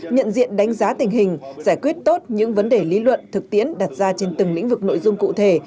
nhận diện đánh giá tình hình giải quyết tốt những vấn đề lý luận thực tiễn đặt ra trên từng lĩnh vực nội dung cụ thể